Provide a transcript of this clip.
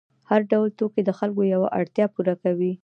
هر ډول توکي د خلکو یوه اړتیا پوره کوي.